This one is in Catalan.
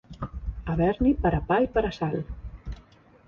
Haver-n'hi per a pa i per a sal.